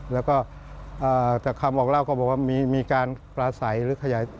แล้วก็แต่คำออกแล้วก็บอกว่ามีการประไสหรือขยาย